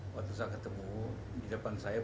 waktu saya ketemu di depan saya